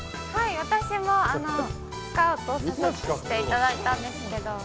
◆私もスカウトしていただいたんですけれども。